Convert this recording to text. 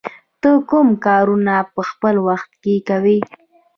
ته کوم کارونه په خپل وخت کې کوې؟